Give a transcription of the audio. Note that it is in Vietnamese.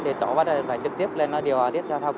thì chỗ bắt đầu phải trực tiếp lên điều tiết giao thông